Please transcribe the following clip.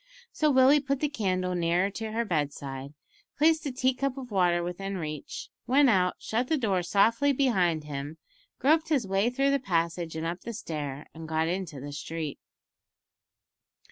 So Willie put the candle nearer to her bedside, placed a tea cup of water within reach, went out, shut the door softly behind him, groped his way through the passage and up the stair, and got into the street.